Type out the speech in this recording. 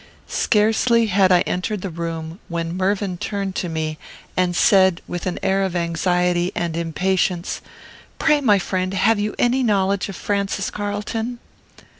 Scarcely had I entered the room, when Mervyn turned to me, and said, with an air of anxiety and impatience, "Pray, my friend, have you any knowledge of Francis Carlton?"